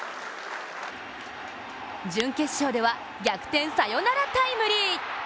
準決勝では逆転サヨナラタイムリー。